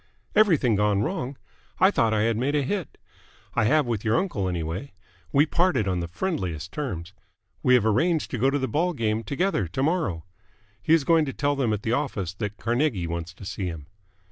"Everything gone wrong? I thought I had made a hit. I have with your uncle, anyway. We parted on the friendliest terms. We have arranged to go to the ball game together to morrow. He is going to tell them at the office that Carnegie wants to see him."